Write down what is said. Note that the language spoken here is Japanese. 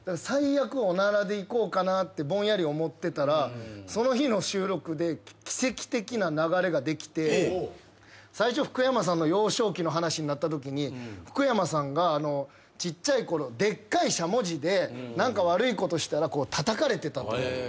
最悪おならでいこうかなってぼんやり思ってたらその日の収録で奇跡的な流れができて最初福山さんの幼少期の話になったときに福山さんがちっちゃいころでっかいしゃもじで何か悪いことしたらこうたたかれてたと。